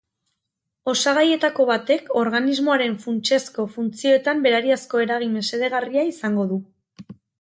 Osagaietako batek organismoaren funtsezko funtzioetan berariazko eragin mesedegarria izango du.